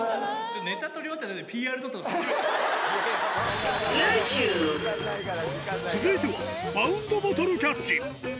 ネタ撮り終わってないのに、続いては、バウンドボトルキャッチ。